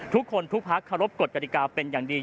ทุกคนทุกพักษ์ขอรบกฎกริกาเป็นอย่างดี